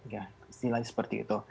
istilahnya seperti itu